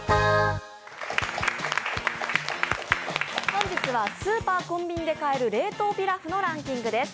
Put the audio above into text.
本日はスーパーコンビニで買える冷凍ピラフのランキングです。